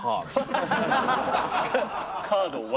カードを。